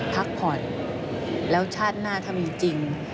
พักผ่อนแล้วชาติหน้าถ้ามีจริง